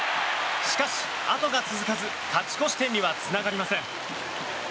しかし、後が続かず勝ち越し点にはつながりません。